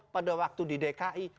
pada waktu di dki